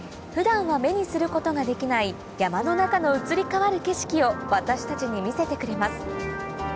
普段は目にすることができない山の中の移り変わる景色を私たちに見せてくれます